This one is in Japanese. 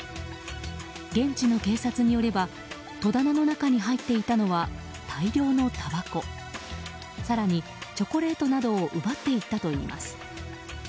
現地の警察によれば戸棚の中に入っていたのは大量のたばこ更にチョコレートなどを奪っていったといいます。